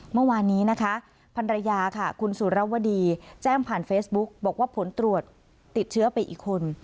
เมื่อวานนี้นะคะพันรยาค่ะคุณสุรวดีแจ้งผ่านเฟซบุ๊กบอกว่าผลตรวจติดเชื้อไปอีกคน